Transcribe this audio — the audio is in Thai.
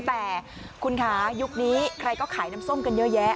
แต่คุณคะยุคนี้ใครก็ขายน้ำส้มกันเยอะแยะ